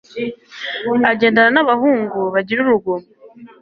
agendana nabahungu bagira urugomo